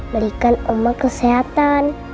berikan oma kesehatan